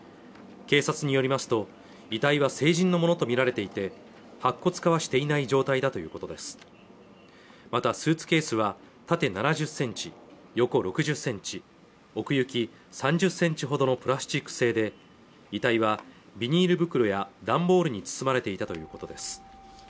警察によりますと遺体は成人のものと見られていて白骨化はしていない状態だということですまたスーツケースは縦７０センチ横６０センチ奥行き３０センチほどのプラスチック製で遺体はビニール袋や段ボールに包まれていたということです